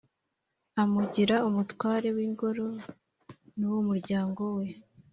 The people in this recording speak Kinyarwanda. amugira umutware w’Ingoro, n’uw’umuryango we,